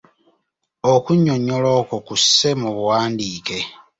Okunnyonnyola okwo kusse mu buwandiike.